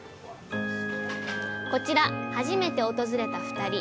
こちら初めて訪れた２人。